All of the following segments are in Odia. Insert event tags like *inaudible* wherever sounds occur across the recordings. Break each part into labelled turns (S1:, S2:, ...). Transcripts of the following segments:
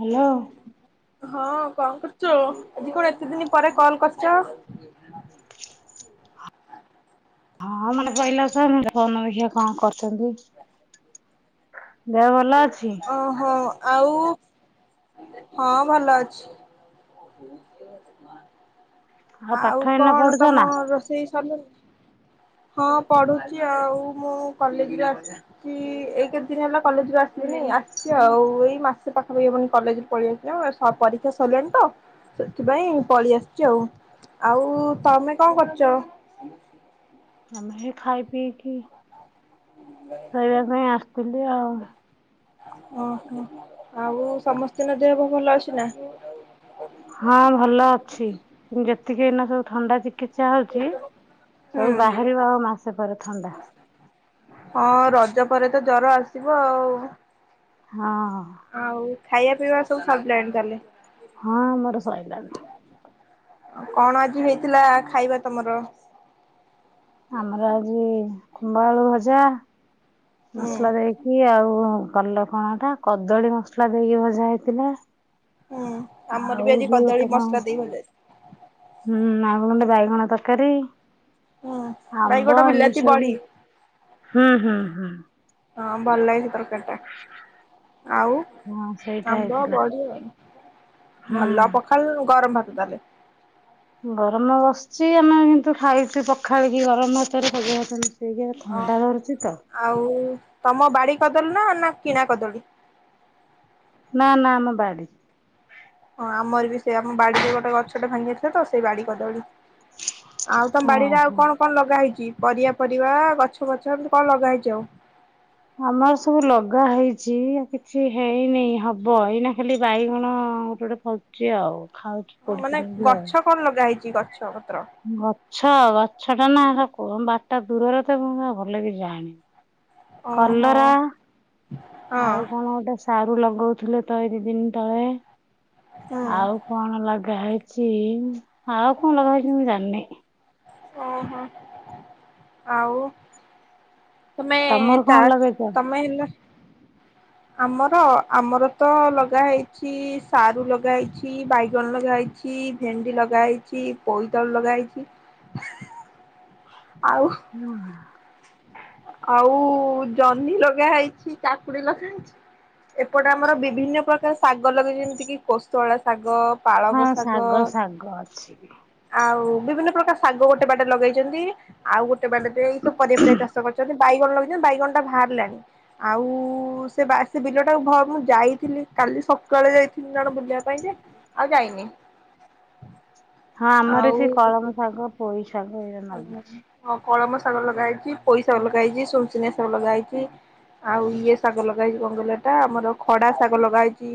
S1: ହ୍ୟାଲୋ।
S2: ହଁ କଣ କରୁଛୁ। ଆଜି କଣ ଏତେ ଦିନ ପରେ କଲ କରିଚ?
S1: ହଁ ମନେପଇଲା ତ ଫୋନ୍ ଦେଖିବା କଣ କରୁଛନ୍ତି। ଦେହ ଭଲ ଅଛି?
S2: ଓ ହଁ ଆଉ ହଁ ଭଲ ଅଛି।
S1: ପାଠ
S2: ଆଉ
S1: ଏଇନା
S2: କଣ
S1: ପଢୁଛ ନା
S2: ତମ ରୋଷେଇ ସର ହଁ ପଢୁଛି ଆଉ ମୁଁ କଲେଜରେ ଆସିଛି ଏଇ କେତେ ଦିନ ହେଲା କଲେଜ ରୁ ଆସିି ନାଇଁ ଆସିଛି ଆଉ ଏଇ ମାସେ ପାଖାପାଖି ହବନି କଲେଜରେ ପଳେଇ ଆସିବ ପରୀକ୍ଷା ସରିଲାଣି ତ। ସେଥିପାଇଁ ପଳେଇ ଆସିଛି ଆଉ। ଆଉ ତମେ କଣ କରୁଛ?
S1: ଆମେ ହେ ଖାଇ ପିଇକି? ଶୋଇବା ପାଇଁ ଆସିଥିଲି ଆଉ?
S2: ଓହୋ ଆଉ ସମସ୍ତଙ୍କ ଦେହକୁ ଭଲ ଅଛି ନା?
S1: ହଁ ଭଲ ଅଛି ଯେତିକି ଏଇନା ସବୁ ଥଣ୍ଡା କିଚା ହଉଛି ସବୁ
S2: ହୁଁ
S1: ବାହାରିବ ଆଉ ମାସେ ପରେ ଥଣ୍ଡା।
S2: ହଁ ରଜ ପରେ ତ ଜର ଆସିବ ଆଉ।
S1: ହଁ।
S2: ଆଉ ଖାଇବା ପିଇବା ସବୁ ସରିଲାଣି ତାହେଲେ।
S1: ହଁ ମୋର ସଇଲାଣି।
S2: କଣ ଆଜି ହେଇଥିଲା ଖାଇବା ତମର?
S1: ଆମର ଆଜି ଖୁମ୍ବ ଆଳୁ ଭଜା।
S2: ହୁଁ
S1: ମସଲା ଦେଇକି ଆଉ କଲ କଣ ଏଟା କଦଳୀ ମସଲା ଦେଇକି ଭଜା ହେଇଥିଲା।
S2: ହୁଁ ଆମର
S1: ଆଉ
S2: ବି ଆଜି
S1: ଯି
S2: କଦଳୀ
S1: ଗୋଟେ କଣ
S2: ମସଲା ଦେଇ ଭଜା ହେଇଥିଲା।
S1: ହୁଁ ଆ ଭଣ୍ଡା ବାଇଗଣ ତରକାରୀ।
S2: ହୁଁ ବାଇଗଣ
S1: ଆମ୍ବ ଏମିତି
S2: ବିଲାତି ବଢି
S1: ସବୁ ହୁଁ ହୁଁ ହୁଁ।।
S2: ହଁ ଭଲ ଲାଗେ ସେ ତରକାରୀ ଟା ଆଉ
S1: ହଁ ସେଇଟା
S2: ଆମ୍ବ
S1: ହେଇଥିଲା।
S2: ବଢିଣି।
S1: ହୁଁ।
S2: ଭଲ ପଖାଳ ଗରମ ଭାତ ତାହେଲେ।
S1: ଗରମ ବସିଛି ଆମେ କିନ୍ତୁ ଖାଇଛୁ ପଖାଳିକି ଗରମ ଭାତରେ ପଖାଳ ଭାତ ମିଶେ
S2: ଓହୋ ଆଉ ତମ ବାଡି କଦଳୀ ନା? ନା କିଣା କଦଳୀ?
S1: ନା ନା ଆମ ବାଡି
S2: ହଁ ଆମର ବି ସେ ଆମ ବାଡିରେ ଗୋଟେ ଗଛଟେ ଭାଙ୍ଗି ଯାଇଥିଲା ତ ସେଇ ବାଡି କଦଳୀ। ଆଉ ତମ ବାଡିରେ ଆଉ
S1: ଓହୋ।
S2: କଣ କଣ ଲଗାହେଇଚି? ପରିବା ଫରିବା ଗଛ ଫଛ ଏମତି କଣ ଲଗା ହେଇଛି ଆଉ।
S1: ଆମର ସବୁ ଲଗା ହେଇଛି କିଛି ହେଇନି ହବ। ଏଇନା ଖାଲି ବାଇଗଣ ହଁ ଗୋଟେ ଗୋଟେ ଫଳଛି ଆଉ। ଖାଉଛୁ
S2: ହଁ
S1: ପୋଡି
S2: ମାନେ
S1: ପୋଡିକି ଆଉ।
S2: ଗଛ କଣ ଲଗା ହେଇଛି ଗଛ ପତ୍ର।
S1: ଗଛ ଗଛ ଟା ନା କ ବାଡଟା ଦୂରରେ ତ ମୁଁ ପା ଭଲ କି ଜାଣିନି।
S2: ଓହୋ
S1: କଲରା
S2: ହଁ
S1: ଆଉ କଣ ଗୋଟେ ଶା ଲଗଉଥିଲେ ତ ଏଇ ଦି ଦିନ ତଳେ।
S2: ହୁଁ
S1: ଆଉ କଣ ଲାଗା ହେଇ ଛି ଆଉ କଣ ଲଗାହେଇଛି ମୁଁ ଜାଣିନେଇ।
S2: ଓହୋ ଆଉ। ତମେ
S1: ତମର
S2: ତା
S1: କଣ ଲଗେଇଛ?
S2: ତମେ ହେଲ।
S1: *inaudible*
S2: ଆମର ଆମର ତ ଲଗା ହେଇଛି ସାରୁ ଲଗା ହେଇଛି। ବାଇଗଣ ଲଗା ହେଇ ଭେଣ୍ଡି ଲଗା ହେଇଛି। ପୋଇତାଳୁ ଲଗା ହେଇଛି।
S1: *inaudible*
S2: ଆଉ
S1: ହୁଁ।
S2: ଆଉ ଜହ୍ନି ଲଗା ହେଇଛି। କାକୁଡି ଲଗା ହେଇଛି। ଏପଟେ ଆମର ବିଭିନ୍ନ ପ୍ରକାର ଶାଗ ଲଗେଇଚିନ୍ତି ଯେମିତି କିି କୋଷଳା ଶାଗ। ପାଳଙ୍ଗ
S1: ହଁ
S2: ଶାଗ
S1: ଶାଗ ଅଛି।
S2: ଆଉ ବିଭିନ୍ନ ପ୍ରକାର ଶାଗ ଗୋଟେ ବାଡିରେ ଲଗେଇଛନ୍ତି। ଆଉ ଗୋଟେ ବାଡି ରେ ଏଇ ସବୁ ପରିବା ଫରିବା ଚାଷ ଛନ୍ତି ବାଇଗଣ ଲଗିଛନ୍ତି ବାଇଗଣ ଟା ଭାରିଲାଣି। ଆଉ ସେ ବା ସେ ବିଲଟାକୁ ମୁଁ ଯାଇଥିଲି କାଲି ସକାଳେ ଯାଇଥିଲି। ଜଣ ବୁଲିବା ପାଇଁ ଯେ ଆଉ ଯାଇନି।
S1: ହଁ ଆମର ଏ
S2: ଆଉ
S1: ସେ କଳମ ଶାଗ ପୋଇ ଶାଗ ଏଇରା ନାଗିଛି।
S2: ହଁ କଳମ ଶାଗ ଲଗା ହେଇଛି ପୋଇ ଶାଗ ଲଗାଇଛି ସୁନସିନିଆ ଶାଗ ଲଗା ହେଇଛି। ଆଉ ଇଏ ଶାଗ ଲଗା ହେଇଛି। କଣ କହିଲଟା ଆମର ଖଡା ଶାଗ ଲଗା ହେଇଛି।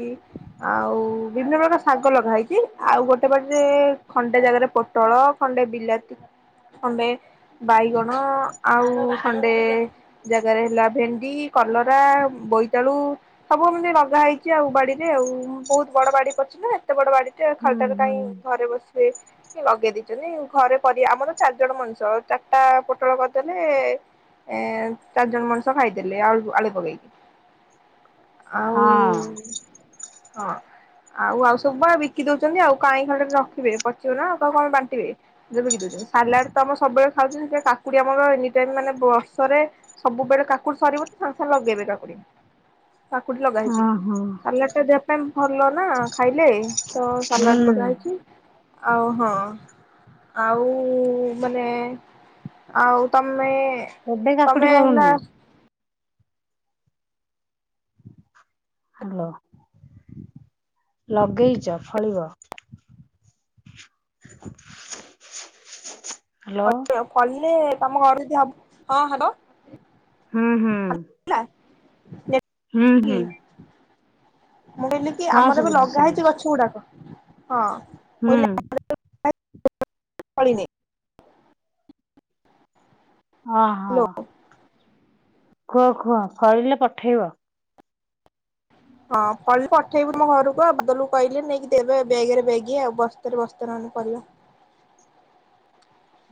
S2: ଆଉ ବିଭିନ୍ନ ପ୍ରକାର ଶାଗ ଲଗା ହେଇଛି। ଆଉ ଗୋଟେ ବାଡିରେ ଖଣ୍ଡେ ଜାଗାରେ ପୋଟଳ ଖଣ୍ଡେ ବିଲାତି। ଖଣ୍ଡେ ବାଇଗଣ ଆଉ ଖଣ୍ଡେ ଜାଗାରେ ହେଲା ଭେଣ୍ଡି। କଲରା ବୋଇତାଳୁ ସବୁ ଏମିତି ଲଗା ହେଇ ଆଉ ବାଡିରେ ଆଉ ବହୁତ ବଡ ବାଡି ପଡିଛି ନା ଏତେ ବଡ ବାଡିଟେ
S1: ହୁଁ
S2: ଖାଲିଟାରେ କାଇଁ
S1: ହୁଁ।
S2: ଘରେ ବସି ସେ ସେ ଲଗେଇ ଦେଇଛନ୍ତି। ଘରେ ପ ଆମର ଚାରି ଜଣ ମଣିଷ। ଚାରିଟା ପୋଟଳ କରିଦେଲେ ଏ ଚାରି ଜଣ ମଣିଷ ଖାଇଦେଲେ ଆଳ ଆଳୁ ପକେଇକି।
S1: *inaudible*
S2: ଆଉ।
S1: ହଁ।
S2: ହଁ ଆଉ ଆଉ ସବୁ ବା ବିକି ଦଉଛନ୍ତି। ଆଉ କାହିଁ ଖାଲି ଟାରେ ରଖିବେ ପଚିବ ନା କାହା କଣ ବାଣ୍ଟିବେ। ଯେବେ କି ବିକି ଦଉଛନ୍ତି। ସାଲାଡ ତ ଆମର ସବୁବେଳେ ଖାଉଛନ୍ତି ସେ କାକୁଡି ଆମର ଏନିଟାଇମ୍ ମାନେ ବର୍ଷରେ ସବୁବେଳେ କାକୁଡି ସରିବ ତ ସାଙ୍ଗେ ସାଙ୍ଗେ ଲଗେଇବେ କାକୁଡି।
S1: *inaudible*
S2: କାକୁଡି ଲଗା ହେଇଛି
S1: ଓହୋ।
S2: ସାଲାଡ ଟା ଦେହ ପାଇଁ ଭଲ ନା ଖାଇ ହେ ତ ସାଲାଡ ଲଗା
S1: ହୁଁ
S2: ହେଇଛି। ଆଉ ହଁ ଆଉ ଉ ମାନେ ଆଉ ତମେ
S1: କେବେ କାକୁଡି
S2: ତମେ ହେଲା
S1: ଫଳୁନି ହ୍ୟାଲୋ। ଲଗେଇଛ ଫଳିବ। *inaudible*
S2: କ ଆଉ କିଲେ ତମ ଘରେ ଯଦି ହବ ହଁ ହବ।
S1: ହୁଁ ହୁଁ
S2: ନେ
S1: ହୁଁ ହୁଁ।
S2: ମୁଁ କହିଲି କି
S1: ହଁ
S2: ଆମର ଏବେ
S1: ଶୁଭୁଛି
S2: ଲଗା ହେଇଛି
S1: ଶୁଭୁଛି।
S2: ଗଛ ଗୁଡାକ। ହଁ
S1: ହୁଁ
S2: ମୁଁ କହିଲି *unintelligible* ଫଳିନି।
S1: ଓହୋ
S2: ହାଲୋ।
S1: ହଁ କୁହ ଫଳିଲେ ପଠେଇବ।
S2: ହଁ ଫଳିଲେ ପଠେଇବି ମୋ ଘରକୁ ଆଉ ବଦଲକୁ କହିଲେ ନେଇକି ଦେବେ ବ୍ୟାଗରେ ବ୍ୟାଗ ଆଉ ବସ୍ତାରେ ବସ୍ତେ ନ କିହିଲ *unintelligible*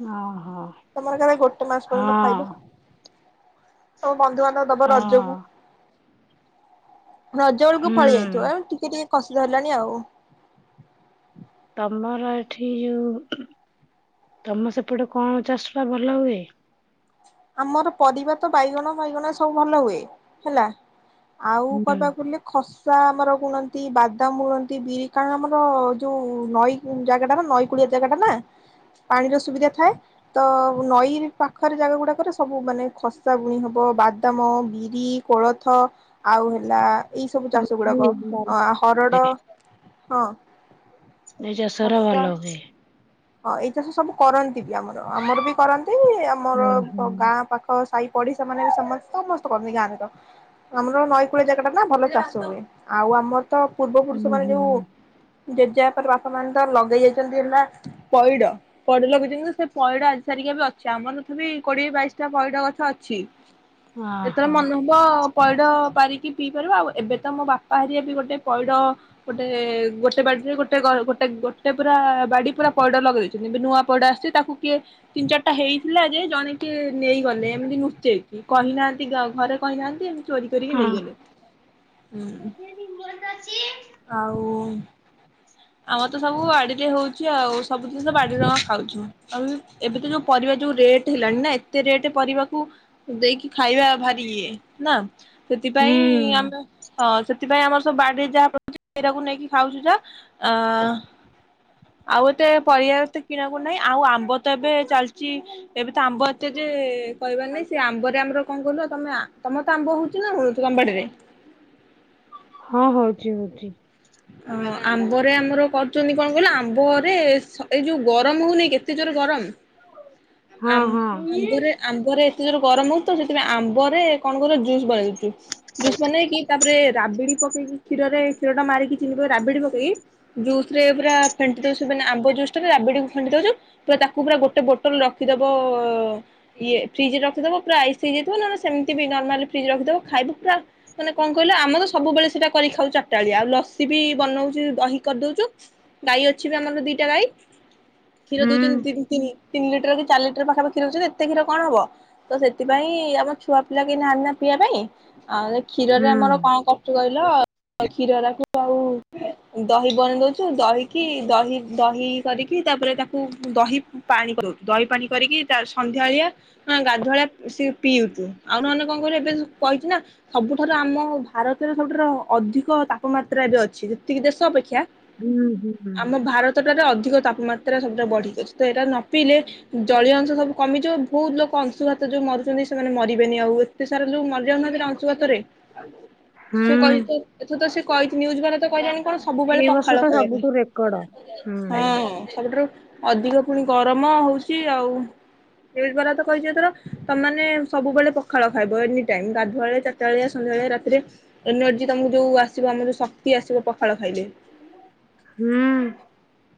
S1: ହଁ।
S2: ତମର କାଳେ ଗୋଟେ ମାସ ପର୍ଯ୍ୟନ୍ତ ଖାଇବ ତମେ ବନ୍ଧୁବାନ୍ଧବ ଦବ
S1: ହଁ
S2: ରଜକୁ। ରଜ ବେଳକୁ ଫଳି ଯାଇଥିବ
S1: ହୁଁ।
S2: ଆଉ ଟିକେ ଟିକେ କଷି ଧରିଲଣି ଆଉ
S1: ତମର ଏଠି ଯୋଉ ତମ ସେପଟେ କଣ ଚାଷ ଭଲ ହୁଏ?
S2: ଆମର ପରିବା ତ ବାଇଗଣ ଫାଇଗଣ ସବୁ ଭଲ ହୁଏ ହେଲା ଆଉ
S1: ହୁଁ
S2: କହିବାକୁ ଗଲେ ଖ ଷା ଆମର ବୁଣନ୍ତି, ବାଦାମ ବୁଣନ୍ତି, ବିରି କାରଣ ଆମର ଯୋଉ ନଈ ଜାଗାଟା ନା ନଈ କୂଳି ଜାଗା ଟା ନା ପାଣିର ସୁବିଧା ଥାଏ ତ ନଈ ପାଖରେ ଜାଗା ଗୁଡା ତାପରେ ସବୁ ମାନେ ଖସା ବୁଣି ହେବ, ବାଦାମ, ବିରି, କୋଳଥ ଆଉ ହେଲା ଏଇସବୁ
S1: ମୁଁ
S2: ଚାଷ ଗୁଡ଼ାକ
S1: କହିଲି ଧାନ
S2: ହରଡ଼
S1: ଚାଷ।
S2: ହଁ
S1: ଏଇ ଚାଷ ଗୁରା
S2: ଖସା
S1: ଭଲ ହୁଏ।
S2: ହଁ ଏଇ ଚାଷ ସବୁ କରନ୍ତି ବି ଆମର ଆମର ବି କରନ୍ତି ଆମର
S1: ହୁଁ ହୁଁ।
S2: ଗାଁ ପାଖ ସାଇ ପଢିଶା ସେମାନେ ବି ସମ ସମସ୍ତେ କରନ୍ତି ଗାଁ ଯାକ। ଆମର ନଈକୂଳି ଜାଗା ଟା ନା ଭଲ ଚାଷ ହୁଏ ଆଉ ଆମର। ତ ପୂର୍ବ ପୁରୁଷ
S1: ହୁଁ
S2: ମାନେ
S1: ହୁଁ
S2: ଯୋଉ ଜେଜେ ବାପା ପରେ ବାସ ମାନେ ତ ଲଗେଇ ଯାଇଛନ୍ତି ହେଲା। ପଇଡ ପଇଡ ଲଗେଇଛନ୍ତି ସେ ପଇଡ ଆଜି ସାରିକା ବି ଅଛି ଆମର ତଥା ବି କୋଡିଏ ବାଇଶ ଟା ପଇଡ ଗଛ ଅଛି। ଯେତେବେଳେ
S1: ଓହୋ
S2: ମନହବ ପଇଡ ପାରିକି ପିଇ ପାରିବା ଆଉ ଏବେ ତ ମୋ ବାପା ହାରିଆ ବି ଗୋଟେ ପଇ ଗୋଟେ ଗୋଟେ ବାଡ଼ିରେ ଗୋଟେ। ଗୋଟେ ଗୋଟେ ପୁରା ବାଡି ପୁରା। ପଇଡ ଲଗେଇ ଦେଇଛନ୍ତି ନୂଆ ପଇଡ ଆସିଛି ତାକୁ କିଏ ଦି ଚାରିଟା ହେଇଥିଲା ଯେ ଜଣେ କିଏ ନେଇଗଲେ ଏମିତି ଲୁଚେଇକି କହିନାହାନ୍ତି ଘରେ କହିନାହାନ୍ତି ଚୋରି କରିକି
S1: ହଁ
S2: ନେଇଗଲେ। ହୁଁ ଆଉ। ଆମର ତ ସବୁ ବାଡିରେ ହଉଛି ଆଉ ସବୁ ଜିନିଷ ବାଡିରୁ ଆମେ ଖାଉଛୁ ଆଉ ଏବେ ତ ଯୋଉ ପରିବାର। ଯୋଉ ରେଟ୍ ହେଲାଣି ନା ଏତେ ରେଟ୍ ପରିବାକୁ ଦେଇକି ଖାଇବା ଭାରି ଇଏ ନା। ସେଥିପାଇଁ
S1: ହୁଁ।
S2: ଆମେ। ହଁ ସେଥିପାଇଁ ଆମର ସବୁ ବାଡିରେ ଯାହା ସେଇଟାକୁ ନେଇକି ଖାଉଛୁ ଯା ଆ। ଆଉ ଏତେ ପରିବା ତ କିଣା କୁ ଆଉ ଆମ୍ବ ତ ଏତେ ଚାଲିଛି ଏବେ ତ ଆମ୍ବ ଏତେ ଯେ କହିବାର ନାହିଁ ସେ ଆମ୍ବରେ ଆମର ଆଉ ତମର ତ ଆମ୍ବ ହଉଛି ନା ହୋନି ତମ ବାଡିରେ?
S1: ହଁ ହଉଛି ହଉଛି।
S2: ଅ ଆମ୍ବରେ ଆମର କରୁଛନ୍ତି କଣ କହିଲ ଆମ୍ବରେ ଏଇ ଯୋଉ ଗରମ ହଉନେଇ କେତେ ଜୋର। ଗରମ? ଆ
S1: ହଁ ହଁ
S2: ଆମ୍ବରେ ଆମ୍ବରେ ଏତେ ଯୋରେ ଗରମ ହଉ ତ ସେଥିପାଇଁ ଆମ୍ବରେ କଣ କର ଜୁସ୍ ବନେଇ ଦଉଛୁ ଜୁସ୍ ବନେଇକି ତାପରେ। ରାବିଡି ପକି କ୍ଷୀରେ କ୍ଷୀରା ମାରିକି ଚିହନି ରାବିଡି ପକେଇକି ଜୁରେ ପୁରା ଫେଣ୍ଟି ଦଉଚୁ। ନା ଆମ୍ୱ ଜୁସ୍ ଟା ରାବିଡିକୁ ଫେଣ୍ଟି ଦଉୁୁଚୁ ତାକୁ ପୁରା ଗୋଟ ବୋଟଲ ରଖି। ରଖିଦବ ପୁରା ଫ୍ରିଜରେ ରଖିଦବ ପୁରା ଆଇସି ହେଇଯାଇଥିବ ନହେଲେ ସେମତିବି ନରମାଲ୍ ରଖି ଖାଇ। ଏ ପୁରା ମାନେ କଣ କହିଲ ଆମେ ତ ସବୁବେଳେ ସେଟା କରି ଖାଉଛୁ ଚାରିଟାବେଳିଆ ଆଉ ଲସି ବି ବନଉଛି ଦହି କରି। ଗାଈ ଅଛି ବି ଆମର ଦିଟା ଗାଈ କ୍ଷୀର
S1: ହୁଁ
S2: ଦଉଛନ୍ତି ତିନି ଲିଟର କି। ଚାରି ଲିଟର ପାଖାପାଖି କ୍ଷୀର ଦଉଛନ୍ତି ଏତେ କ୍ଷୀର କଣ ହବ ତ ସେଥିପାଇଁ ଆମ ଛୁଆ ପିଲା କେ ନାହାନ୍ତି ନା ପିଇବା ପାଇଁ। ଆଉ କ୍ଷୀରରେ
S1: ହୁଁ।
S2: ଆମର କଣ କରୁଛୁ କହିଲ। କ୍ଷୀରକୁୁ ଆଉ ଦହି ବନେଇ ଦଉଛୁ ଦହିକି ଦହି ଦହି କରିକି। ତାପରେ ତାକୁ ଦ ପାଣି କରି ଦ। ପାଣି କରିକି ତା ସନ୍ଧ୍ୟାଳିଆ ଗାଧୁଆଳିଆ ପିଉଛୁ ଆଉଣହନେ କଣ କଇଲ ଏବେ କହି। ସବୁଠାରୁ ଆମ ଭାରତରେ ସବୁଠାରୁ ଅଧିକ ତାପମାତ୍ରା ଏବେ ଅଛି ଯେତିକି ଦେଶ ଅପେକ୍ଷା
S1: ହୁଁ ହୁଁ
S2: ଆମ ଭାରତଟାରେ ଅଧିକ ତାପମାତ୍ରା ସବୁଟା ବଢିକି ଅଛି ତ ଏଟା ନ ପିଇଲେ, ଜଳୀୟ ଅଂଶ ସବୁ କମିଯିବ ବହୁତ ଲୋକ ଅଂଶୁଘାତ ଯୋଉ ମରୁଛନ୍ତି ସେମାନେ ମରିବେନି ଆଉ ଏତେ ସାରା ଲୋକ ମରିଯାଉ ନା ଅଂଶୁଘାତରେ। ସେ
S1: ହୁଁ
S2: କହିଲେଣି ଏଥର ତ ସେ କହିଚି ନିୟୁଜ ବାଲା ତକହିଲାନି କଣ ସବୁବେଳେ
S1: ଏଇ ବର୍ଷ
S2: ପଖାଳ
S1: ତ
S2: ଖାଇବା
S1: ସବୁଠୁ ରେକର୍ଡ।
S2: ପାଇଁ।
S1: ହୁଁ।
S2: ହଁ ସବୁଠାରୁ ଅଧିକ ପୁଣି ଗରମ ହଉଛି ଆଉ ନିୟୁଜ ଵାଲା ତ କହିଚି ଏଥର ତମେମାନେ ସବୁବେଳେ ପଖାଳ ଖାଇବ ଏନି ଟାଇମ ଗାଧୁଆବେଳେ ଚାରିଟାବେଳିଆ ସନ୍ଧ୍ୟା ରାତିରେ ଏନର୍ଜି ତମକୁ ଯୋଉ ଆସିବ ଆମର ଯଉ ଶକ୍ତି ଆସିବ ପଖାଳ ଖାଇଲେ।
S1: ହୁଁ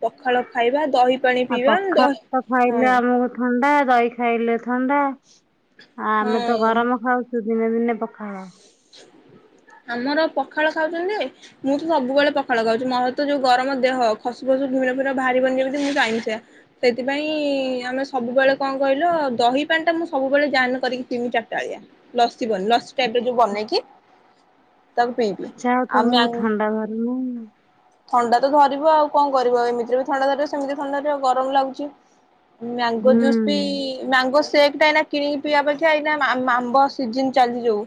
S2: ପଖାଳ ଖାଇବା ଦହି ପାଣି ପିଇବା ଦହି
S1: ଲେ
S2: ହଁ
S1: ଆମକୁ ଥଣ୍ଡା ଦହି ଖାଇଲେ ଥଣ୍ଡା ଆ ଆମେ ତ
S2: ହଁ
S1: ଗରମ ଖାଉଚୁ। ଦିନେ ଦିନେ ପଖାଳ,
S2: ଆମର ପଖାଳ ଖାଉଛନ୍ତି ଯେ ମୁଁ ତ ସବୁବେଳେ ପଖାଳ ଖାଉଚି ମୋରତ ଯୋଉ ଗରମ ଦେହ ଖସି ପ ଘି ଫି ବାହାରିିବନିଯିବ ମୁଁ ଚାହିଁଛି ସେଥିପାଇଁ ଆମେ ସବୁବେେଳେ କଣ କହିଲ ଦହି ପାଣି ଟା ମୁଁ ସବୁବେଳେ ଜାହାନେ କରିକି ପିମି ଚାରିଟାବେଳିଆ ଲସିଭଳି ଲସି ଟାଇପରେ ଯଉ ବନେଇକି, ତାକୁ ପିଇବି
S1: ଚା ତ
S2: ଆଉ
S1: ମୁଁ
S2: ମ୍ୟା
S1: ଥଣ୍ଡା ଘରମ,
S2: ଥଣ୍ଡା ତ ଧରିବ ଆଉ କଣ କରିବ ଏମିତିରେ ବି ଥଣ୍ଡା ଧରିବ ସେମିତିରେବୀ ଥଣ୍ଡାଧରିବ ଗରମ ଲାଗୁଛି। ମ୍ୟାଙ୍ଗୋ
S1: ହୁଁ
S2: ଜୁସ୍ ବି ମ୍ୟାଙ୍ଗୋ। ସେଫଟା ଏଇନା କିଣିକି ପିଇବା ଅପେକ୍ଷା ଏଇନା ଆମ୍ବ ସିଜିନ ଚାଲିଛି ଯୋଉ,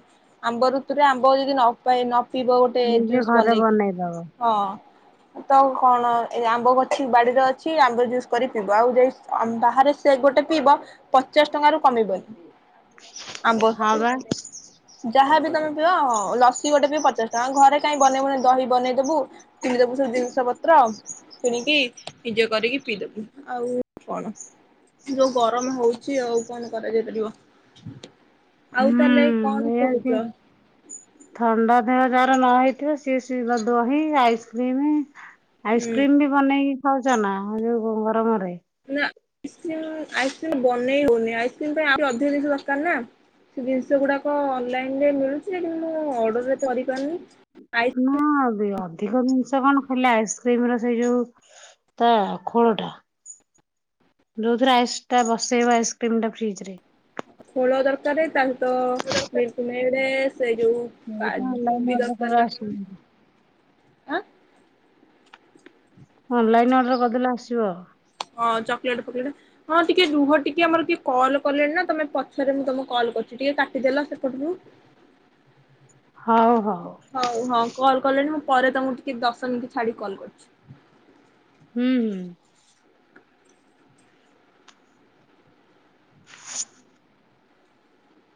S2: ଆମ୍ବ ଋତୁରେ ଆମ୍ବ ଯଦି ନପାଏ ନ ପିଇବ ଗୋଟେ
S1: ନିଜେ
S2: ଜୁସ୍
S1: ଘରେ
S2: ବନେଇକି
S1: ବନେଇଦବ।
S2: ହଁ । ତ କଣ ଏ ଆମ୍ବ ଅଛି ବାଡିରେ ଅଛି ଆମ୍ବ ଜୁସ କରି ପିବ ଆଉ ଯାଇ ବାହାରେ ସେ ଗୋଟେ ପିଇବ ପଚାଶ ଟଙ୍କାରୁ କମିବନି । ଆମ୍ବ
S1: ହଁ ବା।
S2: ଯାହାବି ଗୋଟେ ତମେ ପିଅ ଲସି ଗୋଟେ ପି ପଚାଶ ଟଙ୍କା ଘରେ କାଇଁ ବନେଇବୁନି ଦହି ବନେଇଦବୁ କିଣିଦବୁ ସବୁ ଜିନିଷ ପତ୍ର କିଣିକି ନିଜେ କରିକି ପିଇଦବୁ ଆଉ କଣ । ଯୋଉ ଗରମ ହଉଚି ଆଉ କଣ କରାଯାଇ ପାରିବ । ଆଉ ତାହେଲେ କଣ
S1: ହୁଁ
S2: ।
S1: ଥଣ୍ଡା ଦେହ ଯାର ନ ହେଇ ଥିବ ସିଏ ଶଇବା ଦହି ଆଇସ୍କ୍ରିମ
S2: ହୁଁ
S1: ଆଇସ୍କ୍ରିମ ବି ବନେଇକି ହଉଛ ନା ଯୋଉ ଗରମରେ
S2: ନା ଆଇକ୍ର ଆଇସ୍କ୍ରିମ ବନେଇ ହଉନି ଆଇସ୍କ୍ରିମ ପାଇଁ ଆହୁରି ଅଧିକ ଜିନିସ ଦରକାର ନା । ସେ ଜିନିଷ ଗୁଡାକ ଅନଲାଇନରେ ମିଳୁଛି ଯେ ମୁଁ ଅର୍ଡର ରେ କରିପାରୁନି ।
S1: ନା ଅବି ଅନ। ଅଧିକ ଜିନିଷ କଣ ଖାଇଲେ ଆଇସ୍କ୍ରିମ ର ସେଇ ଯୋଉ ତା ଖୋଳ ଟା । ଯୋଉଥିରେ ଆଇସ୍ ଟା ବସେଇବ ଆଇସ୍କ୍ରିମ ଟା ଫ୍ରିଜ ରେ ।
S2: ଖୋଳ ଦରକାର ତାହେଲେ ତ ତୁମେ ଏଳେ ସେ ଯୋଉ
S1: ସେଇଟା
S2: କାଜୁ
S1: ଅନଲାଇନ
S2: ବି
S1: ଅର୍ଡର
S2: ଦରକାର
S1: କଲେ
S2: ନା
S1: ଆସିବ।
S2: କଣ? ଆଁ
S1: ଅନଲାଇନ ଅର୍ଡର କରିଦେଲେ ଆସିବ ।
S2: ହଁ ଚକୋଲେଟ ଫୋକଲେଟ ହଁ ଟିକେ ରୁହ ଟିକେ ଆମର ଟିକେ କଲ୍ କଲେଣି ନା ତମେ ପଛରେ ମୁଁ ତମ କଲ । ଭ କରୁଛି ଟିକେ କାଟିଦେଲ ସେପଟକୁ ।
S1: *inaudible*
S2: ହଉ ହଁ କଲ କଲେଣି ମୁଁ ପରେ ତମକୁ ଟିକେ ଦଶ ମିନିଟ୍ ଛାଡିକି କଲ୍ କରୁଛି ।
S1: ହୁଁ ହୁଁ। *unintelligible*